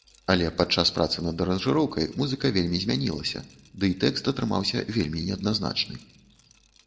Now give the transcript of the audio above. Але падчас працы над аранжыроўкай музыка вельмі змянілася, ды і тэкст атрымаўся вельмі неадназначны.